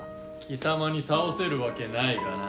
貴様に倒せるわけないがな。